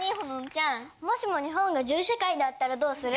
もしも日本が銃社会だったらどうする？